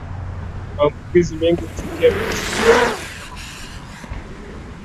Maambukizi mengi hutokea miezi ya kwanza ya mnyama kunyonyesha